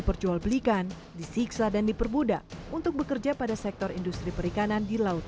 perjualbelikan disiksa dan dipermudah untuk bekerja pada sektor industri perikanan di laut